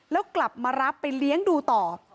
แล้วกลับมารับไปเลี้ยงดูต่อ